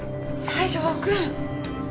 西条くん！